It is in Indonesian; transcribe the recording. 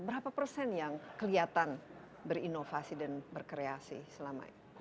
berapa persen yang kelihatan berinovasi dan berkreasi selama ini